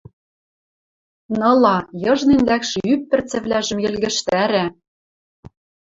ныла, йыжнен лӓкшӹ ӱп пӹрцӹвлӓжӹм йӹлгӹжтӓрӓ...